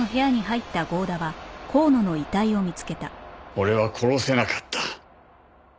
俺は殺せなかった。